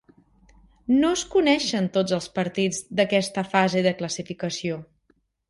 No es coneixen tots els partits d'aquesta fase de classificació.